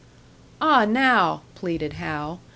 "Ah, now!" pleaded Hal.